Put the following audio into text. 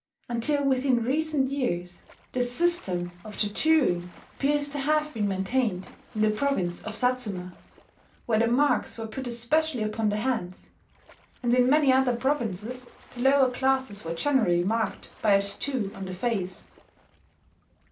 Until within recent years this system of tattooing appears to have been maintained in the province of Satsuma, where the marks were put especially upon the hands; and in many other provinces the lower classes were generally marked by a tattoo on the face.